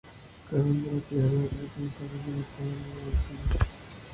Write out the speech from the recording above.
Carmen la de Triana presenta un limitado número de temas tratándose de un musical.